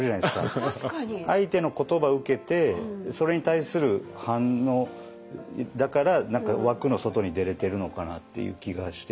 相手の言葉受けてそれに対する反応だから何か枠の外に出れてるのかなっていう気がしてて。